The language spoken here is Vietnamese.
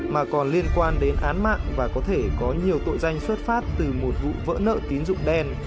mà còn liên quan đến án mạng và có thể có nhiều tội danh xuất phát từ một vụ vỡ nợ tín dụng đen